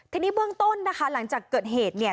ทีนี้เบื้องต้นนะคะหลังจากเกิดเหตุเนี่ย